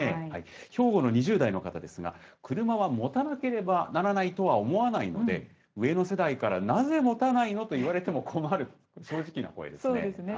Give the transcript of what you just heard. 兵庫の２０代の方ですが、車は持たなければならないとは思わないので、上の世代からなぜ持たないの？と言われても困る、正直な声ですね。